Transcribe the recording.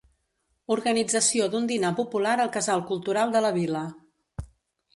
Organització d'un dinar popular al Casal Cultural de la vila.